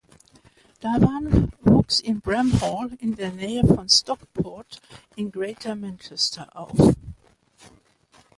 Dhawan wuchs in Bramhall, in der Nähe von Stockport in Greater Manchester, auf.